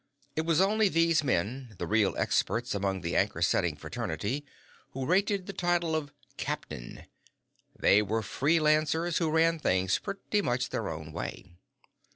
It was only these men the real experts among the anchor setting fraternity who rated the title of "Captain". They were free lancers who ran things pretty much their own way.